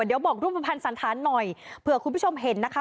เดี๋ยวบอกรูปภัณฑ์สันธารหน่อยเผื่อคุณผู้ชมเห็นนะคะ